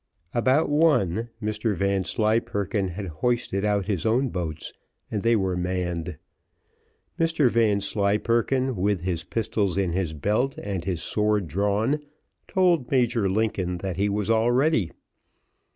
About one Mr Vanslyperken had hoisted out his own boats, and they were manned. Mr Vanslyperken, with his pistols in his belt, and his sword drawn, told Major Lincoln that he was all ready.